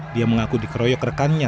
dia mengaku dikeroyok rekannya